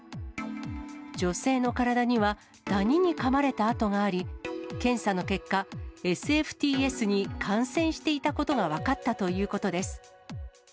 女性の体には、ダニにかまれた痕があり、検査の結果、ＳＦＴＳに感染していたことが分かったということです。